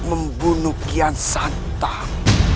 membunuh kian santel